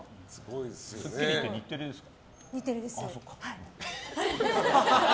「スッキリ」って日テレですか？